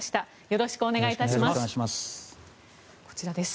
よろしくお願いします。